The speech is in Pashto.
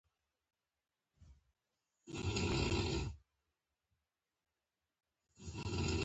هغه ته د خپل اشنغر د غزل خيزې خاورې